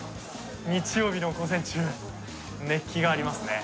日曜日の午前中熱気がありますね。